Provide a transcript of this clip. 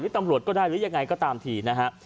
ตำรวจก็ได้หรือยังไงก็ตามทีนะฮะ